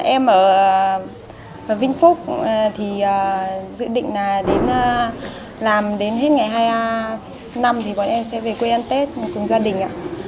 em ở vinh phúc dự định làm đến hết ngày hai mươi năm thì bọn em sẽ về quê ăn tết cùng gia đình